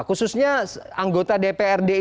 khususnya anggota dprd ini